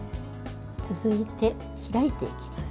続いて、開いていきます。